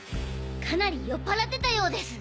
かなり酔っ払ってたようです。